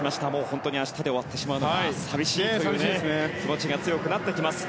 本当に明日で終わってしまうのが寂しいという気持ちが強くなってきます。